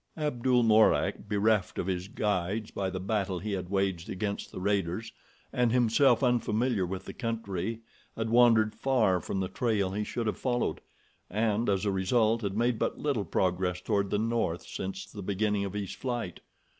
Abdul Mourak, bereft of his guides by the battle he had waged against the raiders, and himself unfamiliar with the country, had wandered far from the trail he should have followed, and as a result had made but little progress toward the north since the beginning of his flight.